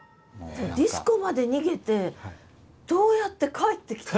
ディスコまで逃げてどうやって帰ってきたの？